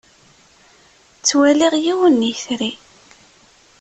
Ttwaliɣ yiwen n yetri.